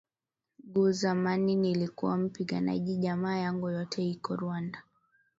gu zamani nilikuwa mpiganaji jamaa yangu yote iko rwanda